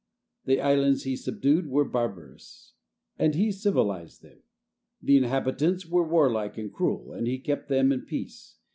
The islands he subdued were barbarous, and he civilized them; the inhabitants were warlike and cruel, and he kept them in peace.